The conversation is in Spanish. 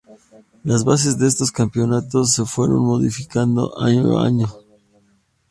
Las bases de estos campeonatos se fueron modificando año a año.